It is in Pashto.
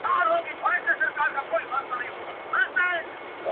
o مځکه وايي په تا کي چي گناه نه وي مه بېرېږه.